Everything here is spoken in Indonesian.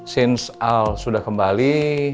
sejak al sudah kembali